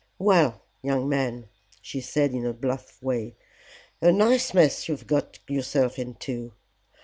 "Well, young man," she said in her bluff way, "a nice mess you have got yourself into."